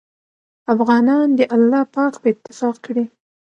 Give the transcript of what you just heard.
افغانان دې الله پاک په اتفاق کړي